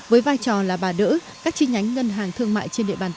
với vai trò là bà đỡ các chi nhánh ngân hàng thương mại trên địa bàn